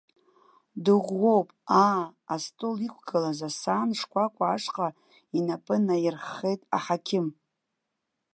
Дыӷәӷәоуп, аа, астол иқәгылаз асаан шкәакәа ашҟа инапы наирххеит аҳақьым.